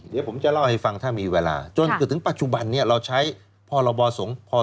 เดี๋ยวผมจะเล่าให้ฟังถ้ามีเวลาจนจนถึงปัจจุบันนี้เราใช้พรบสงฆ์